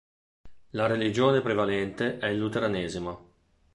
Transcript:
La religione prevalente è il Luteranesimo.